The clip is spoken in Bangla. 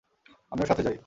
আমিও সাথে যাই!